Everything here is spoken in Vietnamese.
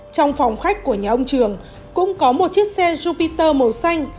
trong phòng khách của nhà ông trường cũng có một chiếc xe jupiter màu xanh